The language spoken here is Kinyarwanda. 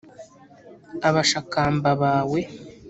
Abashakamba bawe